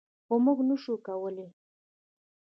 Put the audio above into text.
خو موږ نشو کولی.